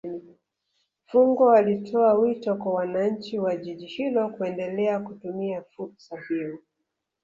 Fungo alitoa wito kwa wananchi wa Jiji hilo kuendelea kutumia fursa hiyo